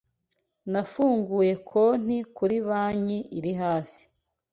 Nafunguye konti kuri banki iri hafi.